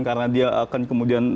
karena dia akan kemudian